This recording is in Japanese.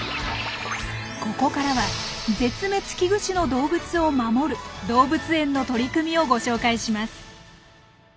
ここからは絶滅危惧種の動物を守る動物園の取り組みをご紹介します。